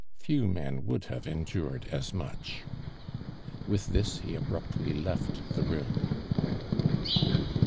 Kew men would have endured as much!" AVith this ho abruptly left the room.